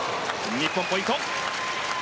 日本、ポイント。